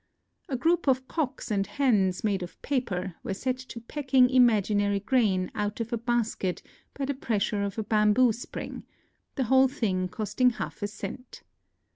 A group of cocks and hens made of paper were set to pecking imaginary grain out of a basket by the pressure of a bamboo spring, — the whole thing costing half a cent.